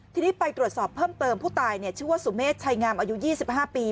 ทีนี้ไปตรวจสอบเพิ่มเติมผู้ตายเนี้ยชื่อว่าสุเมฆชายงามอายุยี่สิบห้าปี